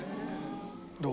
どう？